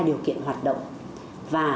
điều kiện hoạt động và